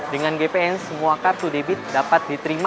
dengan gpn semua kartu debit dapat diterima